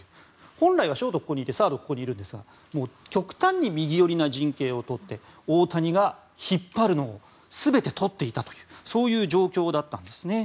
本来はショートはここにいてサードはここにいるんですが極端に右寄りな陣形を取って大谷が引っ張るのを全てとっていたというそういう状況だったんです。